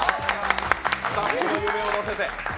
スタッフの夢をのせて。